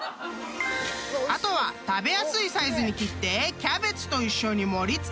［あとは食べやすいサイズに切ってキャベツと一緒に盛り付ければ］